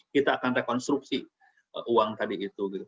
kita akan rekonstruksi uang tadi itu